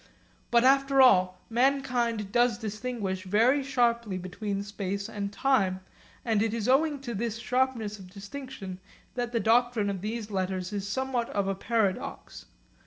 But after all mankind does distinguish very sharply between space and time, and it is owing to this sharpness of distinction that the doctrine of these lectures is somewhat of a paradox.